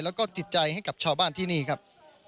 แล้วก็จิตใจให้กับชาวบ้านที่นี่ครับ